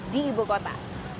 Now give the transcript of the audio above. di ibu kota